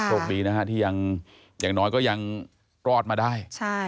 โชคดีนะฮะที่อย่างน้อยก็ยังรอดมาได้